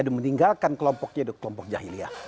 dan meninggalkan kelompoknya kelompok jahiliah